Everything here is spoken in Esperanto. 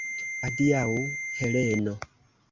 Adiaŭ, Heleno!